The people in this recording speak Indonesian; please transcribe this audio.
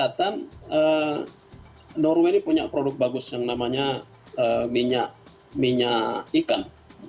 karena norway ini punya produk bagus yang namanya minyak ikan